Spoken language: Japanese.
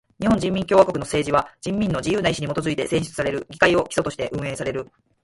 日本人民共和国の政治は人民の自由な意志にもとづいて選出される議会を基礎として運営される。